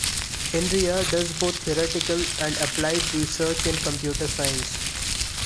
Inria does both theoretical and applied research in computer science.